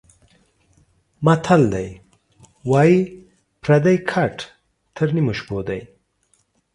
متل ده:واى پردى ګټ تر نيمو شپو ده.